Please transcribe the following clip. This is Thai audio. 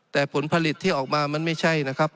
แต่ผลผลิตที่ออกมามันไม่ใช่นะครับ